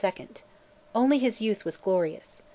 Only his youth was glorious.